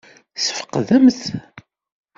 Tesfeqdem-t?